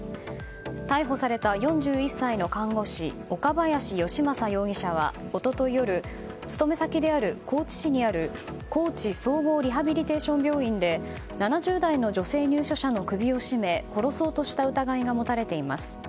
逮捕された４１歳の看護師岡林義正容疑者は一昨日夜、勤め先である高知市にある高知総合リハビリテーション病院で７０代の女性入所者の首を絞め殺そうとした疑いが持たれています。